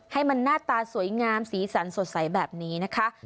ให้มันหน้าตาสวยงามสีสันสดใสแบบนี้นะคะ